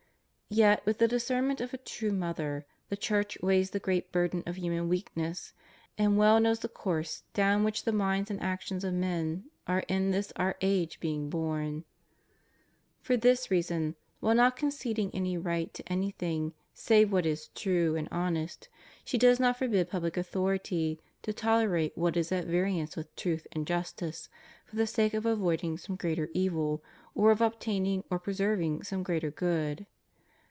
Yet, with the discernment of a true mother, the Church weighs the great burden of human weakness, and well knows the course down which the minds and actions of men are in this our age being borne. For this reason, while not conceding any right to any thing save what is true and honest, she does not forbid pubhc authority to tolerate what is at variance with truth and justice, for the sake of avoiding some greater evil, or of obtaining or preserving some greater good.